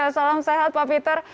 salam sehat pak peter